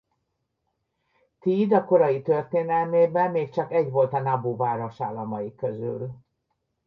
Theed a korai történelmében még csak egy volt a Naboo városállamai közül.